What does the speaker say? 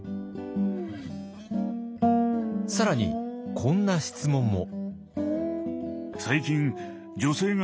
更にこんな質問も。